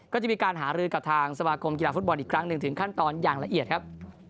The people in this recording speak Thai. ก็จะมีการหารือกับทางสมาคมกีฬาฟุตบอลอีกครั้งหนึ่งถึงขั้นตอนอย่างละเอียดครับ